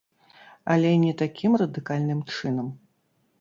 Але не такім радыкальным чынам.